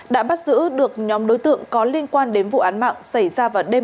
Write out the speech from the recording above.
đã bắt giữ được nhóm đối tượng có liên quan đến vụ án mạng xảy ra vào đêm một mươi một ba